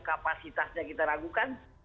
kapasitasnya kita ragukan